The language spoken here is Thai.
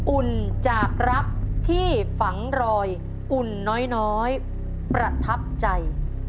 อุ่นจากรักที่ฝังรอยอุ่นน้อยประทับใจ